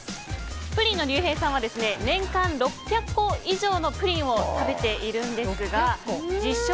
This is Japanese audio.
プリンの竜平さんは年間６００個以上のプリンを食べているんですが自称